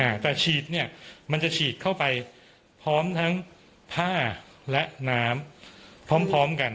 อ่าแต่ฉีดเนี้ยมันจะฉีดเข้าไปพร้อมทั้งผ้าและน้ำพร้อมพร้อมกัน